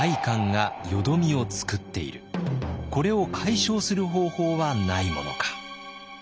これを解消する方法はないものか。